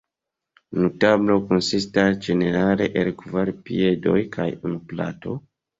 Unu tablo konsistas ĝenerale el kvar piedoj kaj unu plato.